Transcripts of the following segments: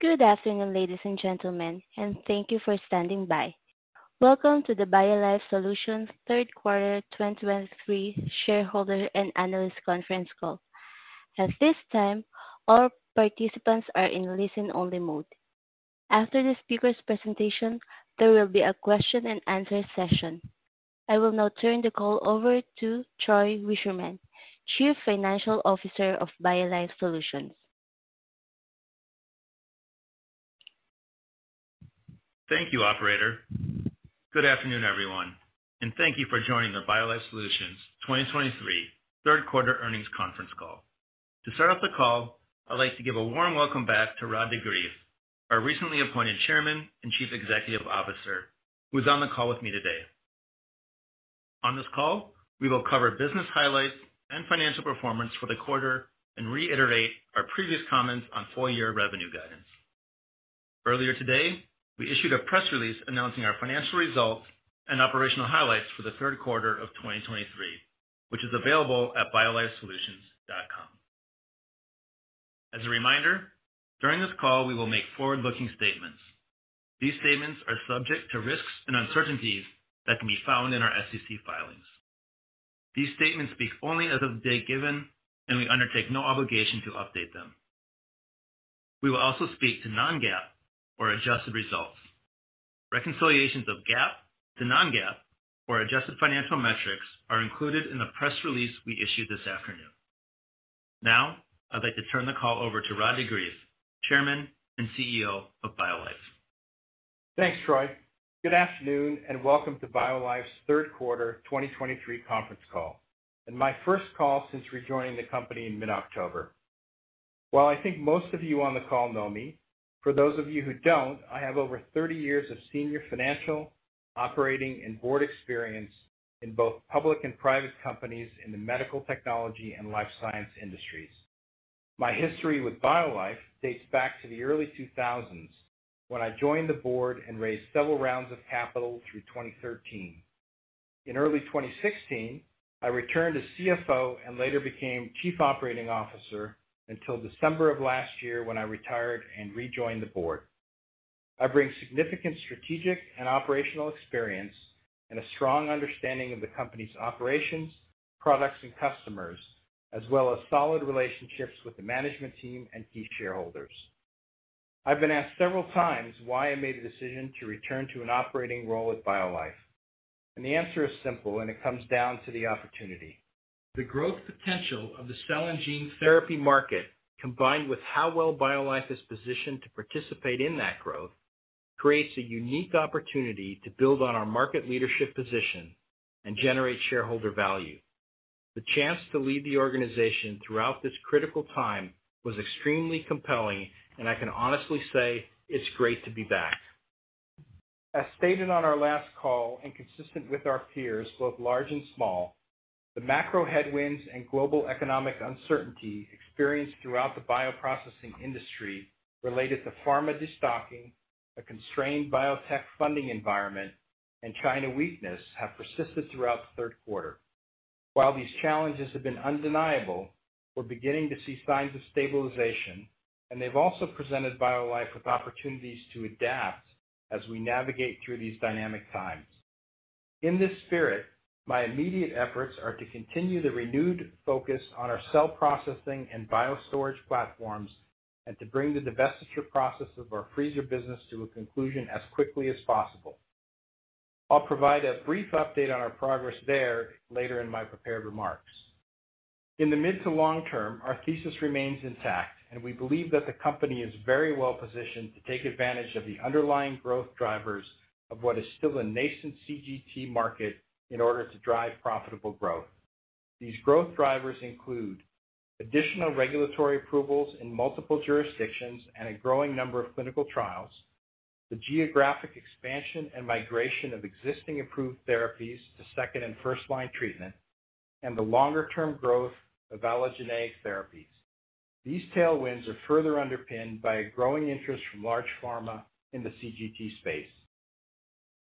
Good afternoon, ladies and gentlemen, and thank you for standing by. Welcome to the BioLife Solutions third quarter 2023 shareholder and analyst conference call. At this time, all participants are in listen-only mode. After the speaker's presentation, there will be a question and answer session. I will now turn the call over to Troy Wichterman, Chief Financial Officer of BioLife Solutions. Thank you, operator. Good afternoon, everyone, and thank you for joining the BioLife Solutions 2023 third quarter earnings conference call. To start off the call, I'd like to give a warm welcome back to Rod de Greef, our recently appointed Chairman and Chief Executive Officer, who is on the call with me today. On this call, we will cover business highlights and financial performance for the quarter and reiterate our previous comments on full-year revenue guidance. Earlier today, we issued a press release announcing our financial results and operational highlights for the third quarter of 2023, which is available at biolifesolutions.com. As a reminder, during this call, we will make forward-looking statements. These statements are subject to risks and uncertainties that can be found in our SEC filings. These statements speak only as of the day given, and we undertake no obligation to update them. We will also speak to non-GAAP or adjusted results. Reconciliations of GAAP to non-GAAP or adjusted financial metrics are included in the press release we issued this afternoon. Now, I'd like to turn the call over to Rod de Greef, Chairman and CEO of BioLife. Thanks, Troy. Good afternoon, and welcome to BioLife's third quarter 2023 conference call, and my first call since rejoining the company in mid-October. While I think most of you on the call know me, for those of you who don't, I have over 30 years of senior financial, operating, and board experience in both public and private companies in the medical technology and life science industries. My history with BioLife dates back to the early 2000s, when I joined the board and raised several rounds of capital through 2013. In early 2016, I returned as CFO and later became Chief Operating Officer until December of last year, when I retired and rejoined the board. I bring significant strategic and operational experience and a strong understanding of the company's operations, products, and customers, as well as solid relationships with the management team and key shareholders. I've been asked several times why I made a decision to return to an operating role at BioLife, and the answer is simple, and it comes down to the opportunity. The growth potential of the cell and gene therapy market, combined with how well BioLife is positioned to participate in that growth, creates a unique opportunity to build on our market leadership position and generate shareholder value. The chance to lead the organization throughout this critical time was extremely compelling, and I can honestly say it's great to be back. As stated on our last call and consistent with our peers, both large and small, the macro headwinds and global economic uncertainty experienced throughout the bioprocessing industry related to pharma destocking, a constrained biotech funding environment, and China weakness have persisted throughout the third quarter. While these challenges have been undeniable, we're beginning to see signs of stabilization, and they've also presented BioLife with opportunities to adapt as we navigate through these dynamic times. In this spirit, my immediate efforts are to continue the renewed focus on our cell processing and biostorage platforms, and to bring the divestiture process of our freezer business to a conclusion as quickly as possible. I'll provide a brief update on our progress there later in my prepared remarks. In the mid- to long-term, our thesis remains intact, and we believe that the company is very well positioned to take advantage of the underlying growth drivers of what is still a nascent CGT market in order to drive profitable growth. These growth drivers include additional regulatory approvals in multiple jurisdictions and a growing number of clinical trials, the geographic expansion and migration of existing approved therapies to second- and first-line treatment, and the longer-term growth of allogeneic therapies. These tailwinds are further underpinned by a growing interest from large pharma in the CGT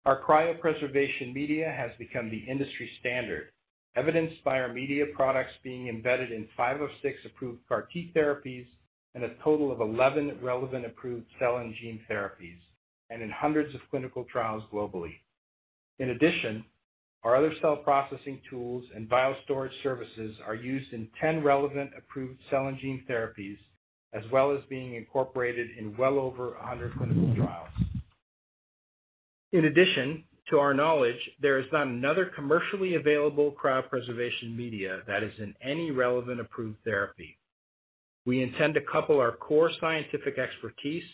space. Our cryopreservation media has become the industry standard, evidenced by our media products being embedded in 5 of 6 approved CAR T therapies and a total of 11 relevant approved cell and gene therapies, and in hundreds of clinical trials globally. In addition, our other cell processing tools and biostorage services are used in 10 relevant approved cell and gene therapies, as well as being incorporated in well over 100 clinical trials. In addition, to our knowledge, there is not another commercially available cryopreservation media that is in any relevant approved therapy. We intend to couple our core scientific expertise,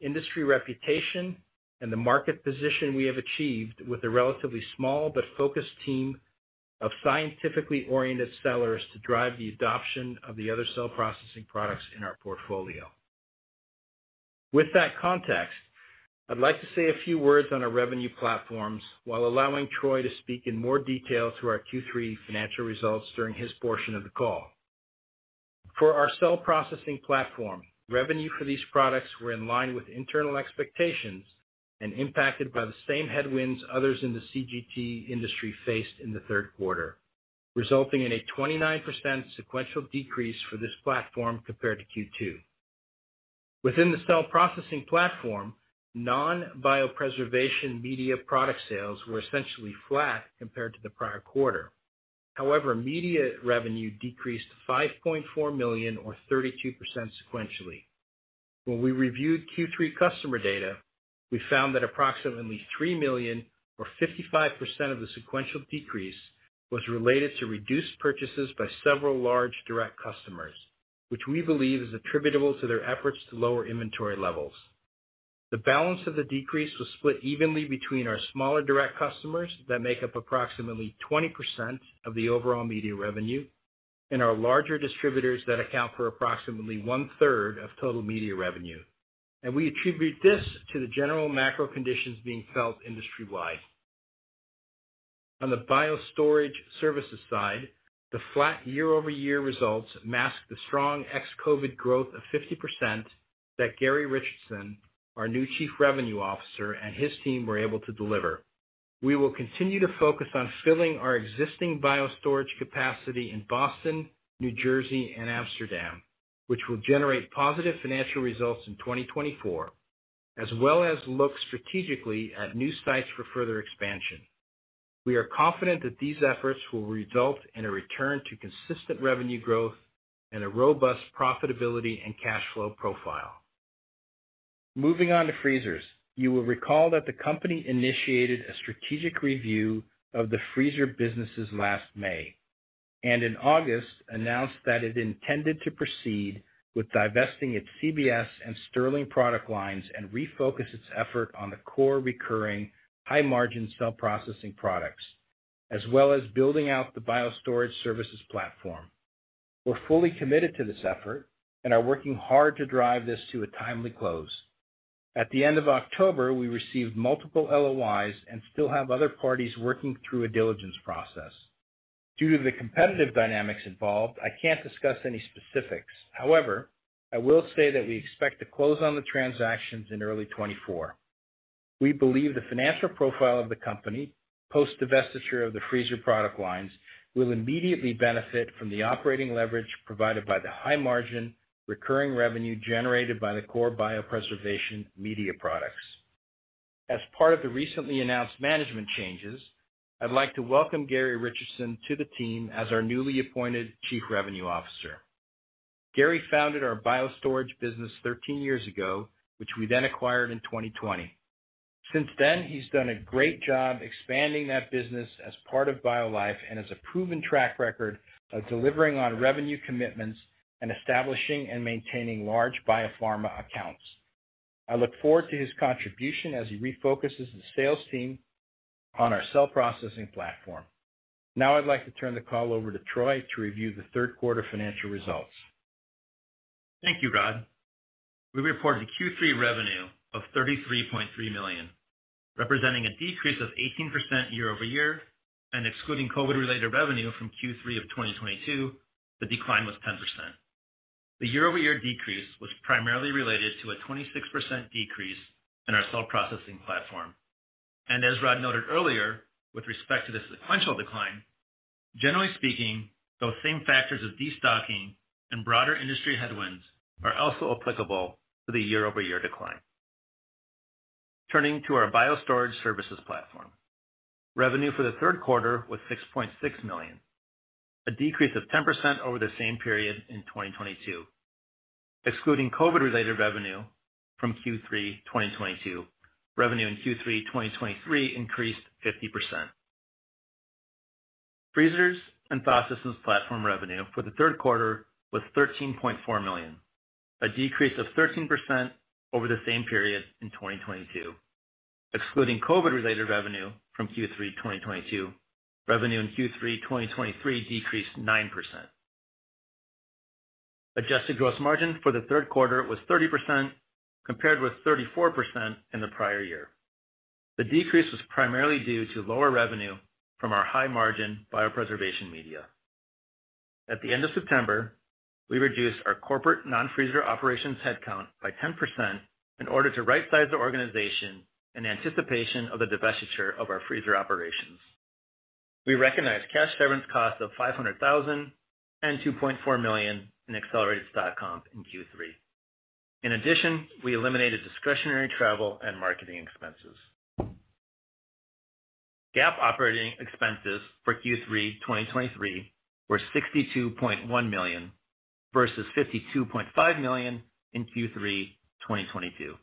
industry reputation, and the market position we have achieved with a relatively small but focused team of scientifically oriented sellers to drive the adoption of the other cell processing products in our portfolio. With that context, I'd like to say a few words on our revenue platforms while allowing Troy to speak in more detail to our Q3 financial results during his portion of the call. For our cell processing platform, revenue for these products were in line with internal expectations and impacted by the same headwinds others in the CGT industry faced in the third quarter, resulting in a 29% sequential decrease for this platform compared to Q2. Within the cell processing platform, non-biopreservation media product sales were essentially flat compared to the prior quarter. However, media revenue decreased $5.4 million, or 32% sequentially. When we reviewed Q3 customer data, we found that approximately $3 million, or 55% of the sequential decrease, was related to reduced purchases by several large direct customers, which we believe is attributable to their efforts to lower inventory levels. The balance of the decrease was split evenly between our smaller direct customers that make up approximately 20% of the overall media revenue, and our larger distributors that account for approximately 1/3 of total media revenue. We attribute this to the general macro conditions being felt industry-wide. On the Biostorage services side, the flat year-over-year results mask the strong ex-COVID growth of 50% that Garrie Richardson, our new Chief Revenue Officer, and his team were able to deliver. We will continue to focus on filling our existing Biostorage capacity in Boston, New Jersey, and Amsterdam, which will generate positive financial results in 2024, as well as look strategically at new sites for further expansion. We are confident that these efforts will result in a return to consistent revenue growth and a robust profitability and cash flow profile. Moving on to freezers. You will recall that the company initiated a strategic review of the freezer businesses last May, and in August announced that it intended to proceed with divesting its CBS and Sterling product lines and refocus its effort on the core, recurring, high-margin cell processing products, as well as building out the Biostorage services platform. We're fully committed to this effort and are working hard to drive this to a timely close. At the end of October, we received multiple LOIs and still have other parties working through a diligence process. Due to the competitive dynamics involved, I can't discuss any specifics. However, I will say that we expect to close on the transactions in early 2024. We believe the financial profile of the company, post divestiture of the freezer product lines, will immediately benefit from the operating leverage provided by the high margin, recurring revenue generated by the core biopreservation media products. As part of the recently announced management changes, I'd like to welcome Garrie Richardson to the team as our newly appointed Chief Revenue Officer. Garrie founded our Biostorage business 13 years ago, which we then acquired in 2020. Since then, he's done a great job expanding that business as part of BioLife and has a proven track record of delivering on revenue commitments and establishing and maintaining large biopharma accounts. I look forward to his contribution as he refocuses the sales team on our cell processing platform. Now I'd like to turn the call over to Troy to review the third quarter financial results. Thank you, Rod. We reported a Q3 revenue of $33.3 million, representing a decrease of 18% year-over-year, and excluding COVID-related revenue from Q3 of 2022, the decline was 10%. The year-over-year decrease was primarily related to a 26% decrease in our cell processing platform. And as Rod noted earlier, with respect to the sequential decline, generally speaking, those same factors of destocking and broader industry headwinds are also applicable to the year-over-year decline. Turning to our Biostorage services platform. Revenue for the third quarter was $6.6 million, a decrease of 10% over the same period in 2022. Excluding COVID-related revenue from Q3 2022, revenue in Q3 2023 increased 50%. Freezers and Thaw Systems platform revenue for the third quarter was $13.4 million, a decrease of 13% over the same period in 2022. Excluding COVID-related revenue from Q3 2022, revenue in Q3 2023 decreased 9%. Adjusted gross margin for the third quarter was 30%, compared with 34% in the prior year. The decrease was primarily due to lower revenue from our high-margin biopreservation media. At the end of September, we reduced our corporate non-freezer operations headcount by 10% in order to rightsize the organization in anticipation of the divestiture of our freezer operations. We recognized cash severance costs of $500,000 and $2.4 million in accelerated stock comp in Q3. In addition, we eliminated discretionary travel and marketing expenses. GAAP operating expenses for Q3 2023 were $62.1 million versus $52.5 million in Q3 2022.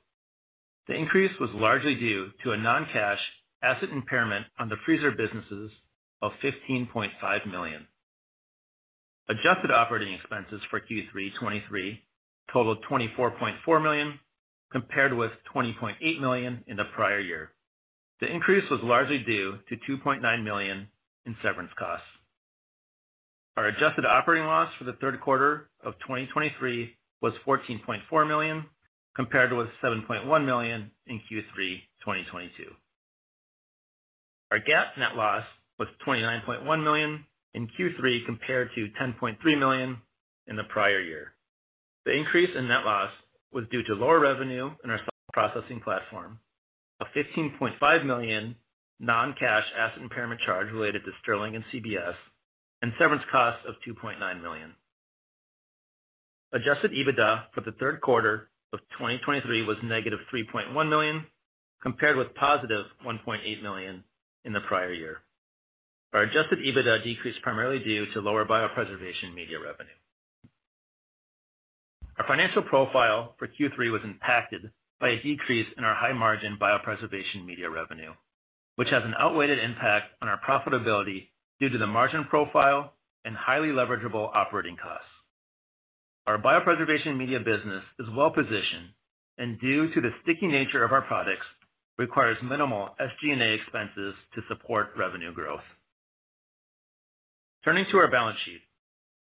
The increase was largely due to a non-cash asset impairment on the freezer businesses of $15.5 million. Adjusted operating expenses for Q3 2023 totaled $24.4 million, compared with $20.8 million in the prior year. The increase was largely due to $2.9 million in severance costs. Our adjusted operating loss for the third quarter of 2023 was $14.4 million, compared with $7.1 million in Q3 2022. Our GAAP net loss was $29.1 million in Q3, compared to $10.3 million in the prior year. The increase in net loss was due to lower revenue in our cell processing platform, a $15.5 million non-cash asset impairment charge related to Sterling and CBS, and severance costs of $2.9 million. Adjusted EBITDA for the third quarter of 2023 was negative $3.1 million, compared with positive $1.8 million in the prior year. Our adjusted EBITDA decreased primarily due to lower biopreservation media revenue. Our financial profile for Q3 was impacted by a decrease in our high-margin biopreservation media revenue, which has an outweighed impact on our profitability due to the margin profile and highly leveragable operating costs. Our biopreservation media business is well positioned and due to the sticky nature of our products, requires minimal SG&A expenses to support revenue growth. Turning to our balance sheet.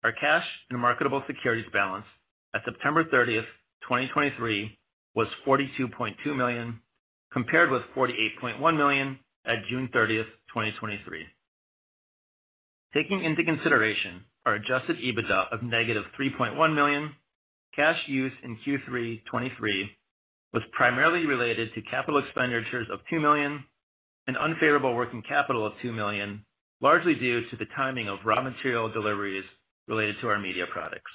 Our cash and marketable securities balance at September 30th, 2023, was $42.2 million, compared with $48.1 million at June 30th, 2023. Taking into consideration our Adjusted EBITDA of -$3.1 million, cash use in Q3 2023 was primarily related to capital expenditures of $2 million and unfavorable working capital of $2 million, largely due to the timing of raw material deliveries related to our media products.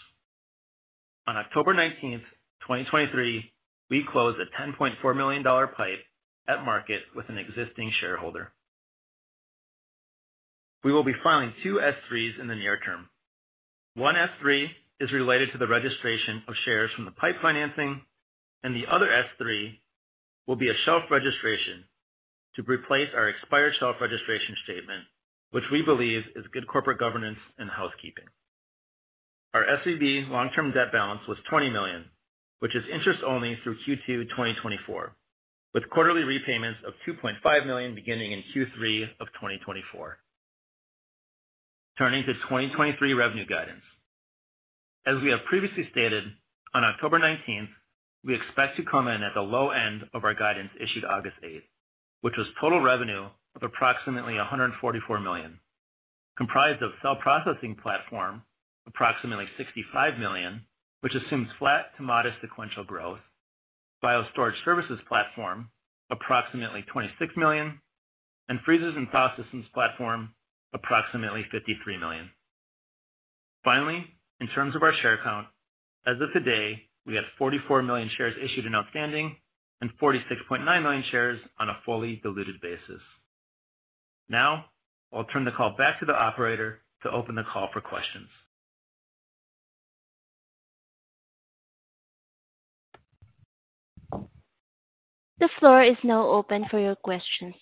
On October 19th, 2023, we closed a $10.4 million PIPE at market with an existing shareholder. We will be filing two S-3s in the near term. One S-3 is related to the registration of shares from the PIPE financing, and the other S-3 will be a shelf registration to replace our expired shelf registration statement, which we believe is good corporate governance and housekeeping. Our SVB long-term debt balance was $20 million, which is interest only through Q2 2024, with quarterly repayments of $2.5 million beginning in Q3 2024. Turning to 2023 revenue guidance. As we have previously stated, on October 19, we expect to come in at the low end of our guidance issued August 8, which was total revenue of approximately $144 million, comprised of cell processing platform, approximately $65 million, which assumes flat to modest sequential growth. Biostorage services platform, approximately $26 million, and freezers and processing platform, approximately $53 million. Finally, in terms of our share count, as of today, we have 44 million shares issued and outstanding and 46.9 million shares on a fully diluted basis. Now, I'll turn the call back to the operator to open the call for questions. The floor is now open for your questions.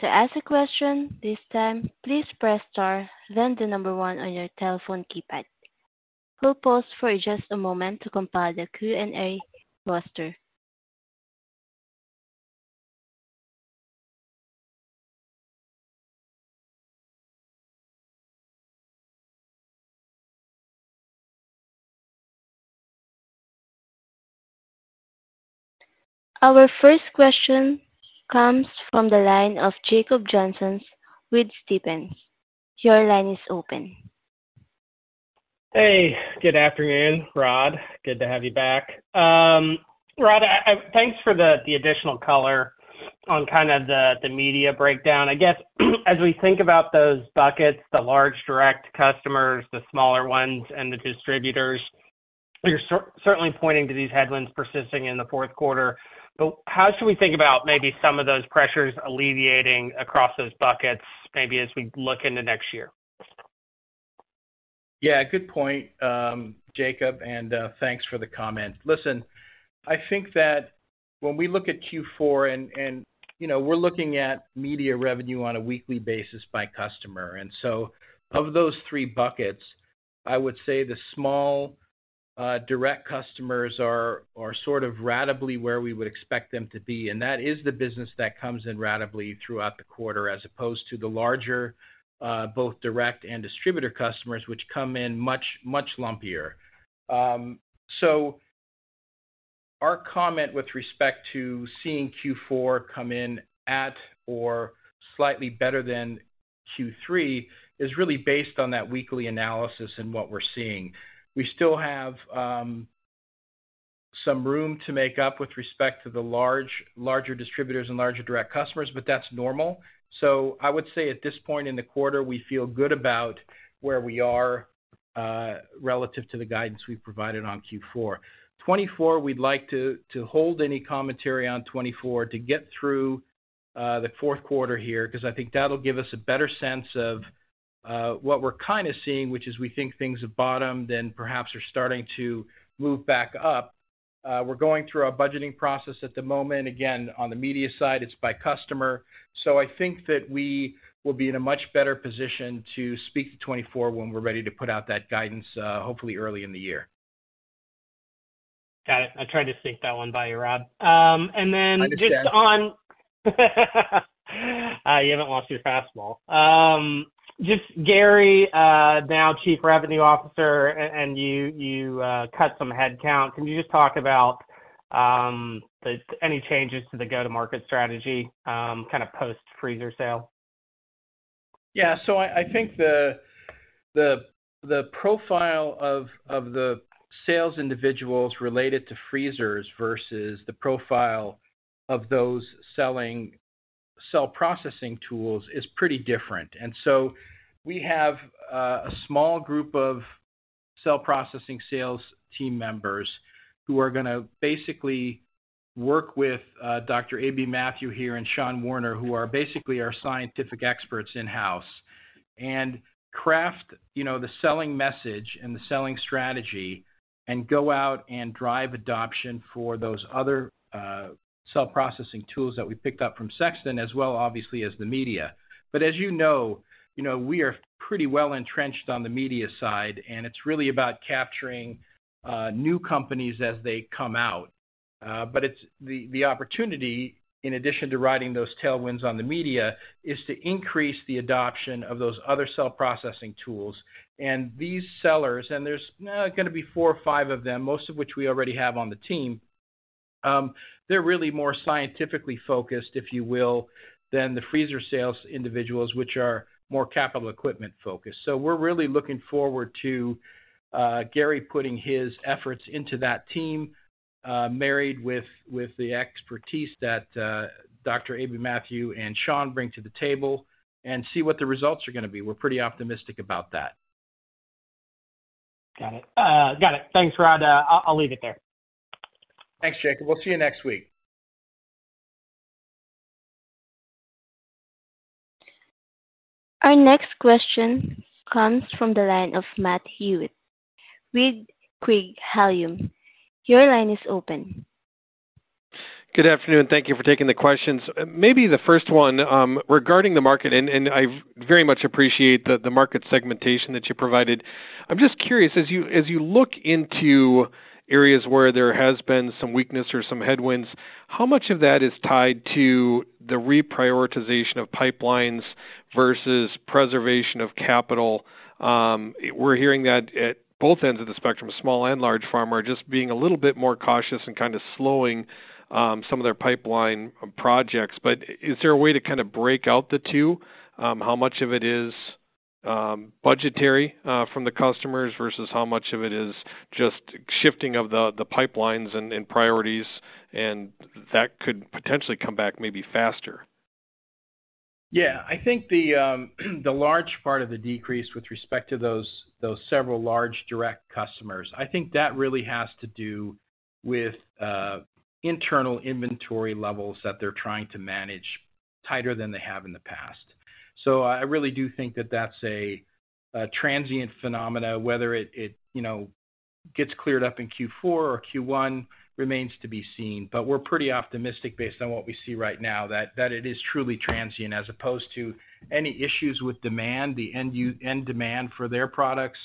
To ask a question this time, please press star, then the number one on your telephone keypad. We'll pause for just a moment to compile the Q&A roster. Our first question comes from the line of Jacob Johnson with Stephens. Your line is open. Hey, good afternoon, Rod. Good to have you back. Rod, thanks for the additional color on kind of the media breakdown. I guess, as we think about those buckets, the large direct customers, the smaller ones, and the distributors, you're certainly pointing to these headwinds persisting in the fourth quarter. But how should we think about maybe some of those pressures alleviating across those buckets, maybe as we look into next year? Yeah, good point, Jacob, and thanks for the comment. Listen, I think that when we look at Q4 and, you know, we're looking at media revenue on a weekly basis by customer. And so of those three buckets, I would say the small, direct customers are sort of ratably where we would expect them to be, and that is the business that comes in ratably throughout the quarter, as opposed to the larger, both direct and distributor customers, which come in much, much lumpier. So our comment with respect to seeing Q4 come in at or slightly better than Q3 is really based on that weekly analysis and what we're seeing. We still have some room to make up with respect to the larger distributors and larger direct customers, but that's normal. So I would say at this point in the quarter, we feel good about where we are, relative to the guidance we've provided on Q4 2024. We'd like to hold any commentary on 2024 to get through the fourth quarter here, because I think that'll give us a better sense of what we're kind of seeing, which is we think things have bottomed, then perhaps are starting to move back up. We're going through our budgeting process at the moment. Again, on the media side, it's by customer. So I think that we will be in a much better position to speak to 2024 when we're ready to put out that guidance, hopefully early in the year. Got it. I tried to sink that one by you, Rod. And then- I understand. You haven't lost your fastball. Just Garrie, now Chief Revenue Officer, and you cut some headcount. Can you just talk about the any changes to the go-to-market strategy, kind of post-freezer sale?... Yeah, so I think the profile of the sales individuals related to freezers versus the profile of those selling cell processing tools is pretty different. And so we have a small group of cell processing sales team members who are gonna basically work with Dr. Aby Mathew here, and Sean Warner, who are basically our scientific experts in-house, and craft, you know, the selling message and the selling strategy and go out and drive adoption for those other cell processing tools that we picked up from Sexton as well, obviously, as the media. But as you know, you know, we are pretty well entrenched on the media side, and it's really about capturing new companies as they come out. But it's the opportunity, in addition to riding those tailwinds on the media, is to increase the adoption of those other cell processing tools. And these sellers, and there's gonna be 4 or 5 of them, most of which we already have on the team, they're really more scientifically focused, if you will, than the freezer sales individuals, which are more capital equipment focused. So we're really looking forward to Garrie putting his efforts into that team, married with the expertise that Dr. Aby Mathew and Sean bring to the table, and see what the results are gonna be. We're pretty optimistic about that. Got it. Got it. Thanks, Rod. I'll leave it there. Thanks, Jacob. We'll see you next week. Our next question comes from the line of Matt Hewitt with Craig-Hallum. Your line is open. Good afternoon. Thank you for taking the questions. Maybe the first one regarding the market, and I very much appreciate the market segmentation that you provided. I'm just curious, as you look into areas where there has been some weakness or some headwinds, how much of that is tied to the reprioritization of pipelines versus preservation of capital? We're hearing that at both ends of the spectrum, small and large pharma, are just being a little bit more cautious and kind of slowing some of their pipeline projects. But is there a way to kind of break out the two? How much of it is budgetary from the customers versus how much of it is just shifting of the pipelines and priorities, and that could potentially come back maybe faster? Yeah. I think the large part of the decrease with respect to those several large direct customers, I think that really has to do with internal inventory levels that they're trying to manage tighter than they have in the past. So I really do think that that's a transient phenomenon. Whether it you know gets cleared up in Q4 or Q1 remains to be seen. But we're pretty optimistic, based on what we see right now, that it is truly transient, as opposed to any issues with demand, the end-user end demand for their products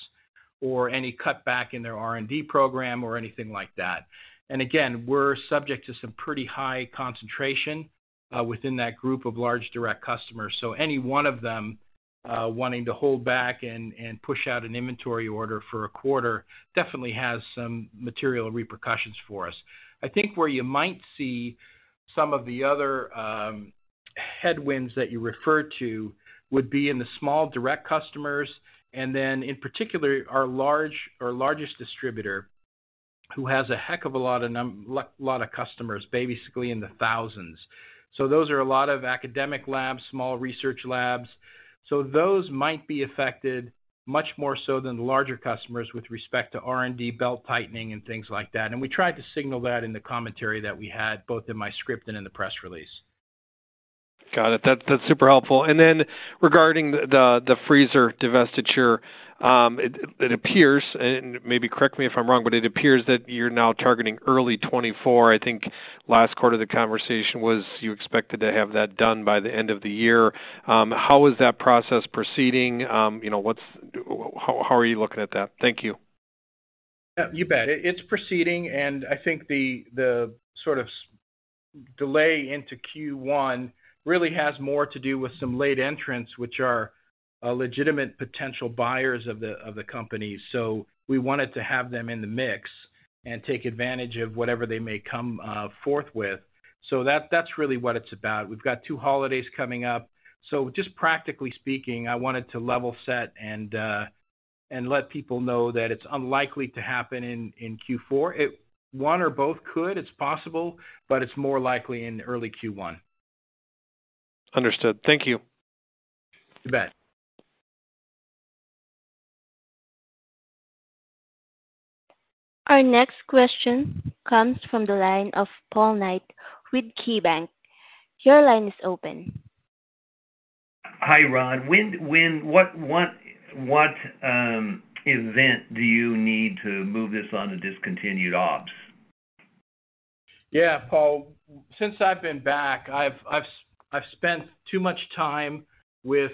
or any cutback in their R&D program or anything like that. And again, we're subject to some pretty high concentration within that group of large direct customers. So any one of them wanting to hold back and push out an inventory order for a quarter definitely has some material repercussions for us. I think where you might see some of the other headwinds that you referred to would be in the small direct customers, and then, in particular, our largest distributor, who has a heck of a lot of customers, basically in the thousands. So those are a lot of academic labs, small research labs, so those might be affected much more so than the larger customers with respect to R&D belt-tightening and things like that. And we tried to signal that in the commentary that we had, both in my script and in the press release. Got it. That's, that's super helpful. And then regarding the, the freezer divestiture, it, it appears, and maybe correct me if I'm wrong, but it appears that you're now targeting early 2024. I think last quarter, the conversation was you expected to have that done by the end of the year. How is that process proceeding? You know, what's, how, how are you looking at that? Thank you. You bet. It's proceeding, and I think the sort of delay into Q1 really has more to do with some late entrants, which are legitimate potential buyers of the company. So we wanted to have them in the mix and take advantage of whatever they may come forth with. So that's really what it's about. We've got two holidays coming up, so just practically speaking, I wanted to level set and let people know that it's unlikely to happen in Q4. It—one or both could, it's possible, but it's more likely in early Q1. Understood. Thank you. You bet. Our next question comes from the line of Paul Knight with KeyBanc. Your line is open. Hi, Rod. What event do you need to move this onto discontinued ops? Yeah, Paul, since I've been back, I've spent too much time with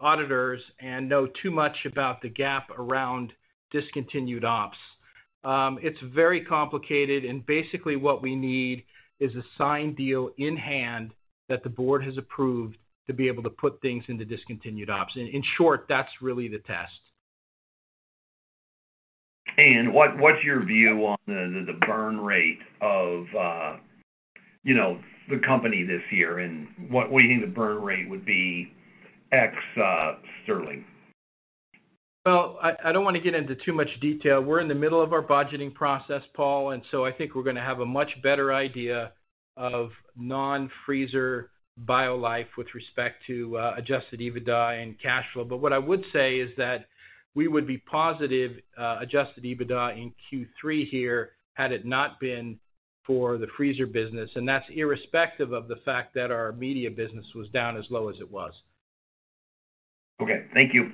auditors and know too much about the GAAP around discontinued ops. It's very complicated, and basically what we need is a signed deal in hand that the board has approved to be able to put things into discontinued ops. In short, that's really the test.... what's your view on the burn rate of, you know, the company this year and what we think the burn rate would be ex Sterling? Well, I don't wanna get into too much detail. We're in the middle of our budgeting process, Paul, and so I think we're gonna have a much better idea of non-freezer BioLife with respect to adjusted EBITDA and cash flow. But what I would say is that we would be positive adjusted EBITDA in Q3 here, had it not been for the freezer business, and that's irrespective of the fact that our media business was down as low as it was. Okay, thank you. You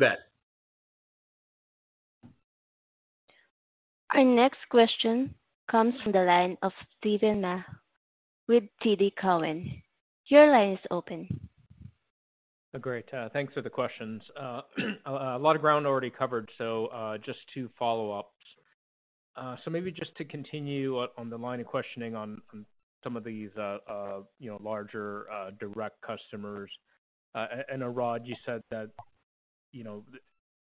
bet. Our next question comes from the line of Steven Mah with TD Cowen. Your line is open. Great. Thanks for the questions. A lot of ground already covered, so just two follow-ups. So maybe just to continue on the line of questioning on some of these, you know, larger direct customers. And Rod, you said that, you know,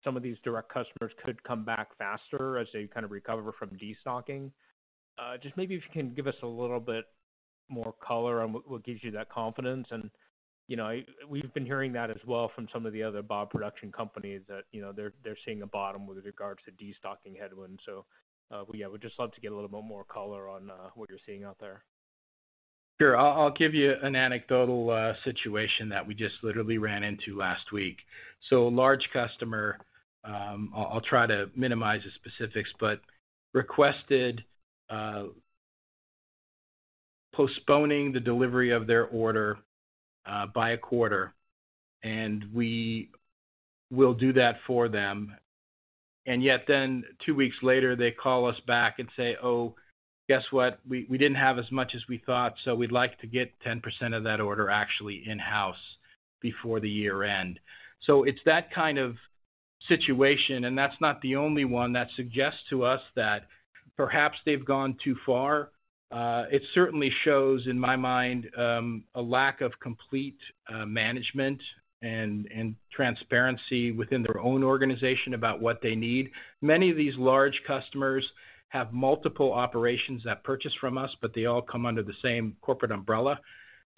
some of these direct customers could come back faster as they kind of recover from destocking. Just maybe if you can give us a little bit more color on what gives you that confidence. And, you know, we've been hearing that as well from some of the other bioproduction companies that, you know, they're seeing a bottom with regards to destocking headwinds. So but yeah, we'd just love to get a little bit more color on what you're seeing out there. Sure. I'll give you an anecdotal situation that we just literally ran into last week. So large customer, I'll try to minimize the specifics, but requested postponing the delivery of their order by a quarter, and we will do that for them. And yet then two weeks later, they call us back and say, "Oh, guess what? We didn't have as much as we thought, so we'd like to get 10% of that order actually in-house before the year end." So it's that kind of situation, and that's not the only one that suggests to us that perhaps they've gone too far. It certainly shows, in my mind, a lack of complete management and transparency within their own organization about what they need. Many of these large customers have multiple operations that purchase from us, but they all come under the same corporate umbrella.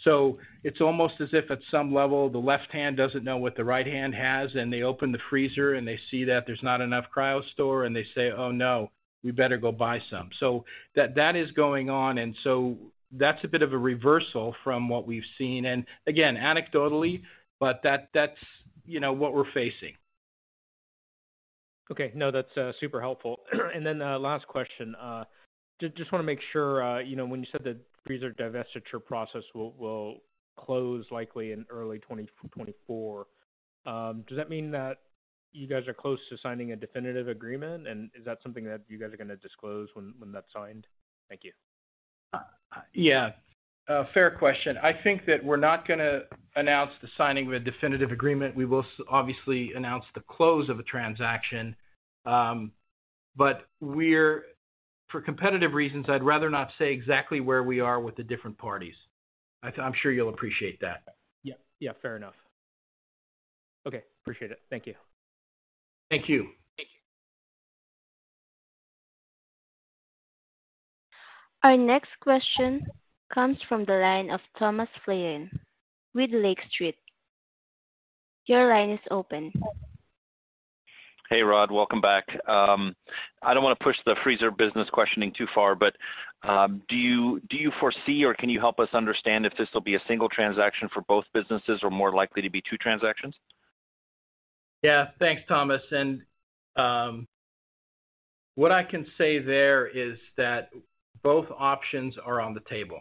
So it's almost as if at some level, the left hand doesn't know what the right hand has, and they open the freezer, and they see that there's not enough CryoStor, and they say, "Oh, no, we better go buy some." So that, that is going on, and so that's a bit of a reversal from what we've seen. Again, anecdotally, but that, that's, you know, what we're facing. Okay. No, that's super helpful. And then last question. Just, just wanna make sure, you know, when you said the freezer divestiture process will, will close likely in early 2024, does that mean that you guys are close to signing a definitive agreement? And is that something that you guys are gonna disclose when, when that's signed? Thank you. Yeah, a fair question. I think that we're not gonna announce the signing of a definitive agreement. We will obviously announce the close of a transaction. But we're for competitive reasons, I'd rather not say exactly where we are with the different parties. I'm sure you'll appreciate that. Yeah. Yeah, fair enough. Okay, appreciate it. Thank you. Thank you. Thank you. Our next question comes from the line of Thomas Flaten with Lake Street. Your line is open. Hey, Rod, welcome back. I don't wanna push the freezer business questioning too far, but, do you, do you foresee, or can you help us understand if this will be a single transaction for both businesses or more likely to be two transactions? Yeah. Thanks, Thomas. What I can say there is that both options are on the table.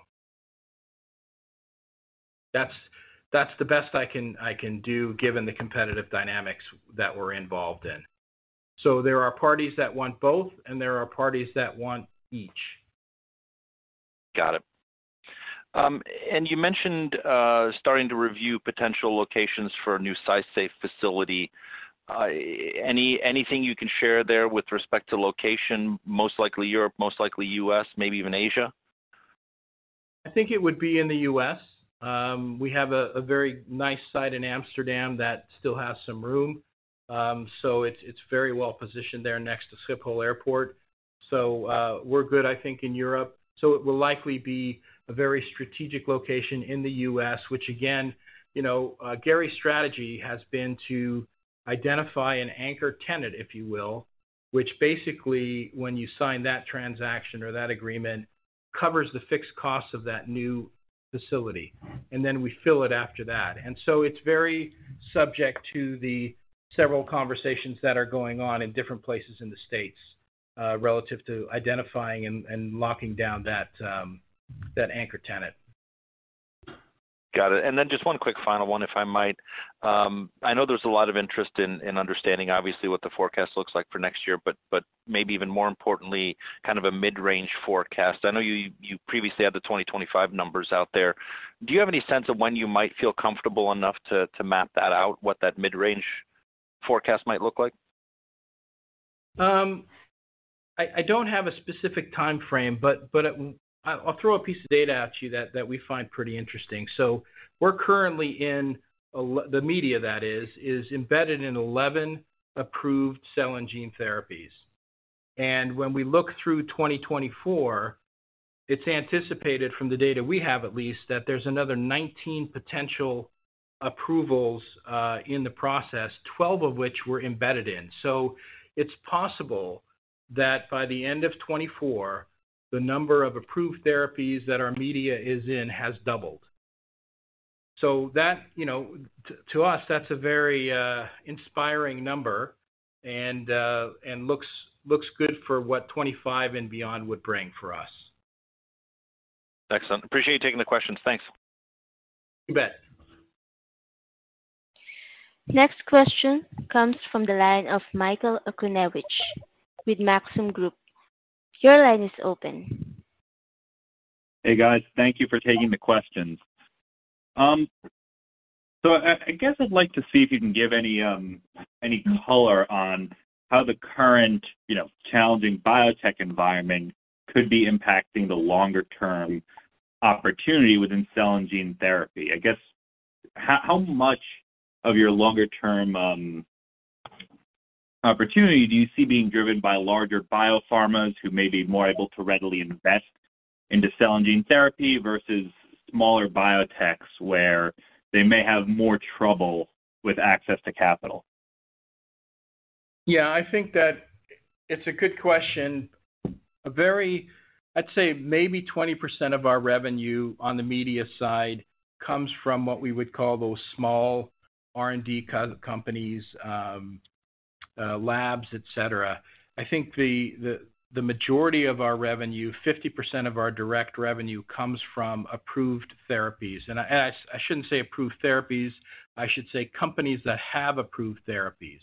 That's the best I can do, given the competitive dynamics that we're involved in. There are parties that want both, and there are parties that want each. Got it. And you mentioned starting to review potential locations for a new SciSafe facility. Anything you can share there with respect to location? Most likely Europe, most likely U.S., maybe even Asia. I think it would be in the U.S. We have a very nice site in Amsterdam that still has some room. So it's very well positioned there next to Schiphol Airport. So we're good, I think, in Europe. So it will likely be a very strategic location in the U.S., which again, you know, Garrie's strategy has been to identify an anchor tenant, if you will, which basically, when you sign that transaction or that agreement, covers the fixed costs of that new facility, and then we fill it after that. And so it's very subject to the several conversations that are going on in different places in the States, relative to identifying and locking down that anchor tenant. Got it. And then just one quick final one, if I might. I know there's a lot of interest in understanding obviously what the forecast looks like for next year, but maybe even more importantly, kind of a mid-range forecast. I know you previously had the 2025 numbers out there. Do you have any sense of when you might feel comfortable enough to map that out, what that mid-range forecast might look like?... I don't have a specific time frame, but I, I'll throw a piece of data at you that we find pretty interesting. So we're currently in a—the media that is embedded in 11 approved cell and gene therapies. And when we look through 2024, it's anticipated from the data we have at least, that there's another 19 potential approvals in the process, 12 of which we're embedded in. So it's possible that by the end of 2024, the number of approved therapies that our media is in has doubled. So that, you know, to us, that's a very inspiring number and looks good for what 2025 and beyond would bring for us. Excellent. Appreciate you taking the questions. Thanks. You bet. Next question comes from the line of Michael Okunewitch with Maxim Group. Your line is open. Hey, guys. Thank you for taking the questions. So I guess I'd like to see if you can give any color on how the current, you know, challenging biotech environment could be impacting the longer-term opportunity within cell and gene therapy. I guess, how much of your longer-term opportunity do you see being driven by larger biopharmas who may be more able to readily invest into cell and gene therapy versus smaller biotechs, where they may have more trouble with access to capital? Yeah, I think that it's a good question. A very, I'd say maybe 20% of our revenue on the media side comes from what we would call those small R&D companies, labs, et cetera. I think the majority of our revenue, 50% of our direct revenue, comes from approved therapies. And I shouldn't say approved therapies, I should say companies that have approved therapies.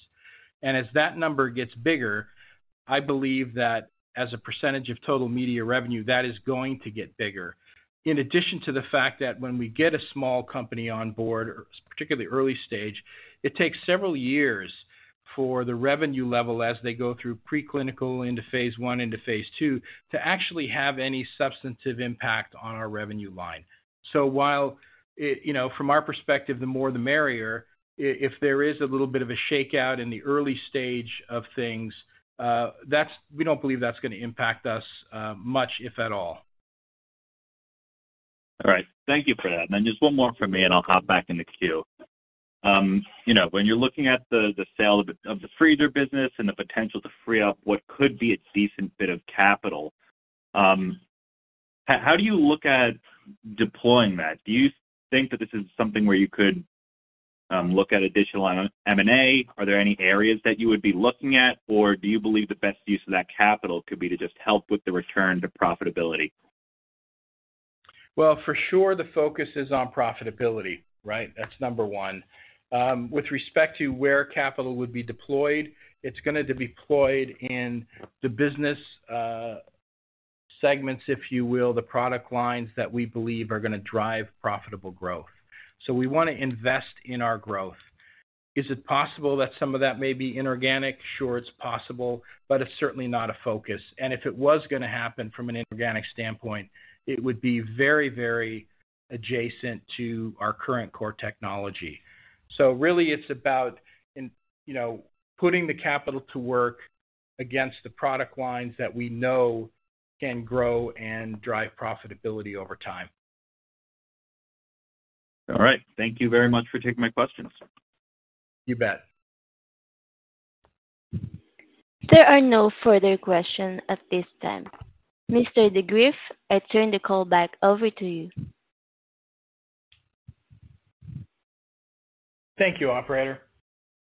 And as that number gets bigger, I believe that as a percentage of total media revenue, that is going to get bigger. In addition to the fact that when we get a small company on board, or particularly early stage, it takes several years for the revenue level as they go through preclinical into phase I into phase II, to actually have any substantive impact on our revenue line. While it, you know, from our perspective, the more the merrier, if there is a little bit of a shakeout in the early stage of things, that's, we don't believe that's gonna impact us, much, if at all. All right. Thank you for that. And then just one more from me, and I'll hop back in the queue. You know, when you're looking at the sale of the freezer business and the potential to free up what could be a decent bit of capital, how do you look at deploying that? Do you think that this is something where you could look at additional M&A? Are there any areas that you would be looking at, or do you believe the best use of that capital could be to just help with the return to profitability? Well, for sure the focus is on profitability, right? That's number one. With respect to where capital would be deployed, it's gonna be deployed in the business segments, if you will, the product lines that we believe are gonna drive profitable growth. So we wanna invest in our growth. Is it possible that some of that may be inorganic? Sure, it's possible, but it's certainly not a focus. And if it was gonna happen from an inorganic standpoint, it would be very, very adjacent to our current core technology. So really, it's about, in, you know, putting the capital to work against the product lines that we know can grow and drive profitability over time. All right. Thank you very much for taking my questions. You bet. There are no further questions at this time. Mr. de Greef, I turn the call back over to you. Thank you, operator.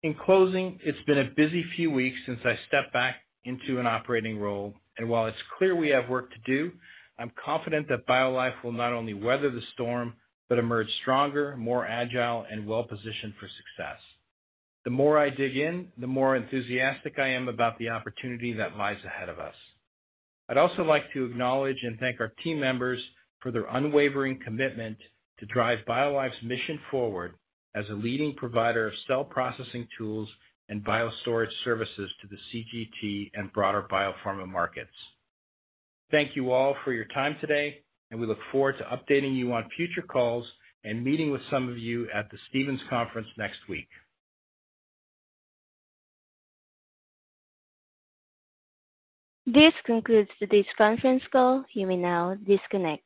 In closing, it's been a busy few weeks since I stepped back into an operating role, and while it's clear we have work to do, I'm confident that BioLife will not only weather the storm but emerge stronger, more agile, and well-positioned for success. The more I dig in, the more enthusiastic I am about the opportunity that lies ahead of us. I'd also like to acknowledge and thank our team members for their unwavering commitment to drive BioLife's mission forward as a leading provider of cell processing tools and biostorage services to the CGT and broader biopharma markets. Thank you all for your time today, and we look forward to updating you on future calls and meeting with some of you at the Stephens conference next week. This concludes today's conference call. You may now disconnect.